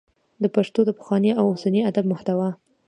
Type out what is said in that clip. د پښتو د پخواني او اوسني ادب محتوا